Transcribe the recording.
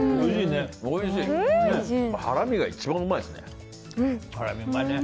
ハラミが一番うまいですね。